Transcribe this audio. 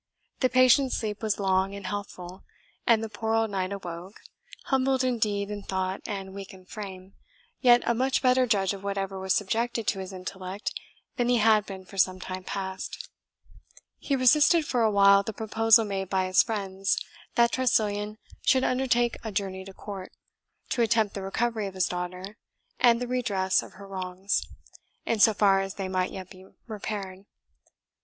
The patient's sleep was long and healthful, and the poor old knight awoke, humbled indeed in thought and weak in frame, yet a much better judge of whatever was subjected to his intellect than he had been for some time past. He resisted for a while the proposal made by his friends that Tressilian should undertake a journey to court, to attempt the recovery of his daughter, and the redress of her wrongs, in so far as they might yet be repaired.